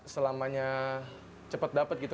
selamanya cepat dapat gitu